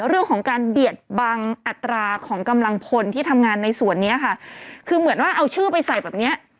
เรื่องของการเบียดบังอัตราของกำลังพลที่ทำงานในส่วนนี้ค่ะคือเหมือนว่าเอาชื่อไปใส่แบบเนี้ย